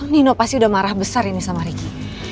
nino pasti udah marah besar ini sama ricky